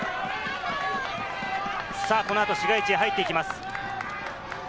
このあと市街地へ入っていきます。